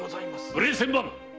無礼千万！